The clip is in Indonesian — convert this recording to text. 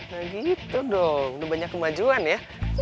nah gitu dong udah banyak kemajuan ya